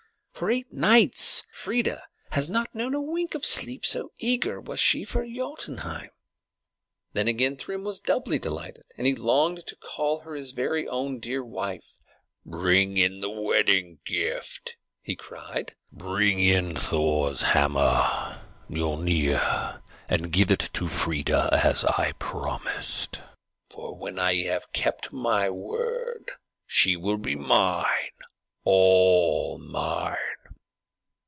For eight nights Freia has not known a wink of sleep, so eager was she for Jotunheim." Then again Thrym was doubly delighted, and he longed to call her his very own dear wife. "Bring in the wedding gift!" he cried. "Bring in Thor's hammer, Miölnir, and give it to Freia, as I promised; for when I have kept my word she will be mine, all mine!"